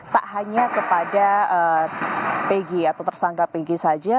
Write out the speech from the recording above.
tak hanya kepada pg atau tersangka pg saja